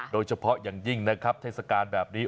โดยเฉพาะอย่างยิ่งนะครับเทศกาลแบบนี้